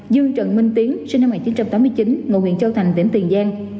dương trần minh tiến sinh năm một nghìn chín trăm tám mươi chín ngụ huyện châu thành tỉnh tiền giang